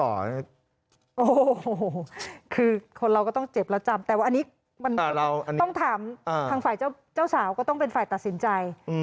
โอ้โหคือคนเราก็ต้องเจ็บแล้วจำแต่ว่าอันนี้มันต้องถามทางฝ่ายเจ้าสาวก็ต้องเป็นฝ่ายตัดสินใจ